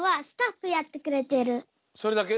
それだけ？